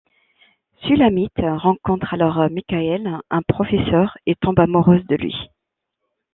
Sulamit rencontre alors Michael, un professeur, et tombe amoureuse de lui.